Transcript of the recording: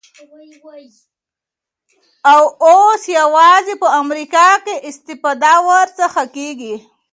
او اوس یوازی په امریکا کي استفاده ورڅخه کیږی